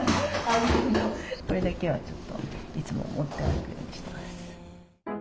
これだけはちょっといつも持って歩くようにしてます。